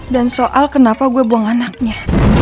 dan soal kenapa gue buang anaknya